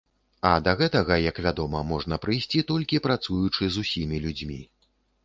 А да гэтага, як вядома, можна прыйсці, толькі працуючы з усімі людзьмі.